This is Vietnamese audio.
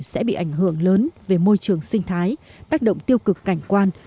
sẽ bị ảnh hưởng lớn về môi trường sinh thái tác động tiêu cực cảnh quan